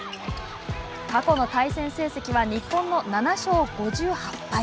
過去の対戦成績は、日本の７勝５８敗。